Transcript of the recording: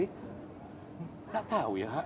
nggak tahu ya